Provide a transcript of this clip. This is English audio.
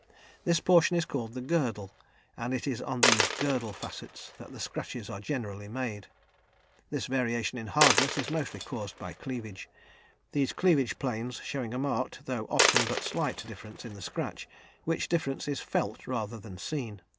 This portion is called the "girdle," and it is on these "girdle" facets that the scratches are generally made. This variation in hardness is mostly caused by cleavage, these cleavage planes showing a marked, though often but slight, difference in the scratch, which difference is felt rather than seen.